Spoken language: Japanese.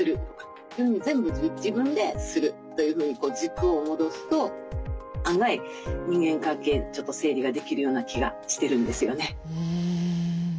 そういうふうに全部自分でするというふうに軸を戻すと案外人間関係ちょっと整理ができるような気がしてるんですよね。